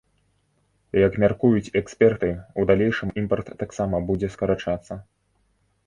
Як мяркуюць эксперты, у далейшым імпарт таксама будзе скарачацца.